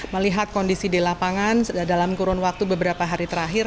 melihat kondisi di lapangan dalam kurun waktu beberapa hari terakhir